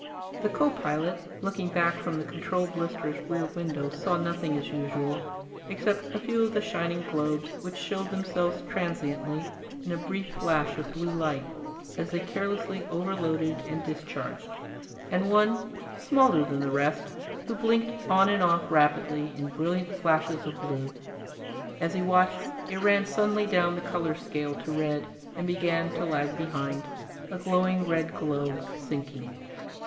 The co pilot, looking back from the control blister's rear window, saw nothing, as usual, except a few of the shining globes, which showed themselves transiently in a brief flash of blue light as they carelessly overloaded and discharged and one, smaller than the rest, who blinked on and off rapidly in brilliant flashes of blue. As he watched, it ran suddenly down the color scale to red and began to lag behind, a glowing red globe, sinking.